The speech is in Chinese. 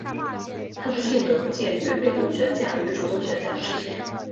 它的性能介于被动悬架与主动悬架之间。